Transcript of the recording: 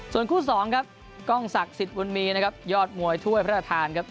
ส่วนคู่สองครับกล้องศักดิ์สิทธิ์บุญมีนะครับยอดมวยถ้วยพระราชทานครับ